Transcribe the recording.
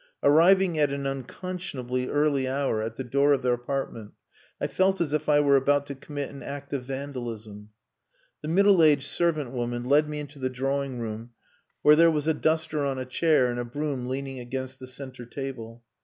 Arriving at an unconscionably early hour at the door of their apartment, I felt as if I were about to commit an act of vandalism.... The middle aged servant woman led me into the drawing room where there was a duster on a chair and a broom leaning against the centre table.